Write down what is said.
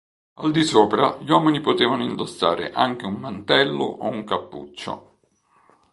Al di sopra, gli uomini potevano indossare anche un mantello o un cappuccio.